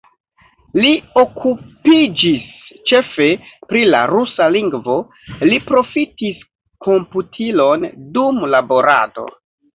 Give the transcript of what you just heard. Li okupiĝis ĉefe pri la rusa lingvo, li profitis komputilon dum laborado.